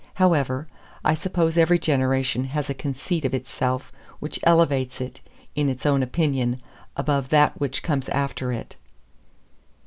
However; I suppose every generation has a conceit of itself which elevates it, in its own opinion, above that which comes after it.